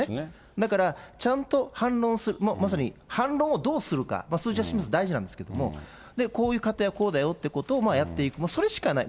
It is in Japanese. だからちゃんと反論する、まさに反論をどうするか、数字を示すのは大事なんですけど、こういう過程はこうだよということをやっていく、それしかない。